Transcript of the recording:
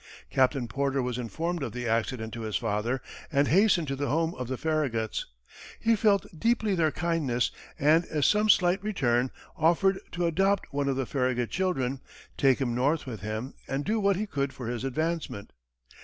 Captain Porter was informed of the accident to his father, and hastened to the home of the Farraguts. He felt deeply their kindness, and as some slight return, offered to adopt one of the Farragut children, take him North with him, and do what he could for his advancement.